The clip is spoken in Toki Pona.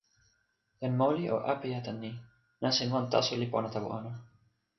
jan moli o apeja tan ni: nasin wan taso li pona tawa ona.